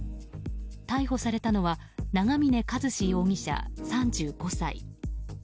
逮捕されたのは長峰一史容疑者、３５歳。